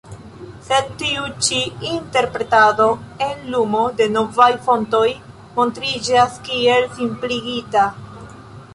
Sed tiu ĉi interpretado en lumo de novaj fontoj montriĝas kiel simpligita.